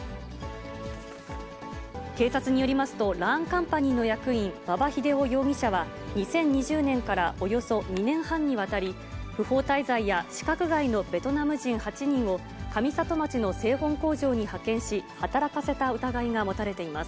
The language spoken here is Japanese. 警察によりますと、ラーンカンパニーの役員、馬場英夫容疑者は２０２０年からおよそ２年半にわたり、不法滞在や資格外のベトナム人８人を、上里町の製本工場に派遣し、働かせた疑いが持たれています。